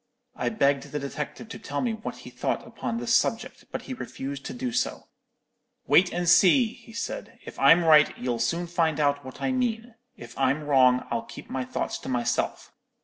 "I begged the detective to tell me what he thought upon this subject; but he refused to do so. "'Wait and see,' he said; 'if I'm right, you'll soon find out what I mean; if I'm wrong, I'll keep my thoughts to myself.